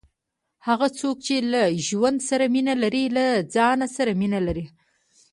هغه څوک، چي له ژوند سره مینه لري، له ځان سره مینه لري.